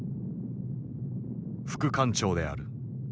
副艦長である。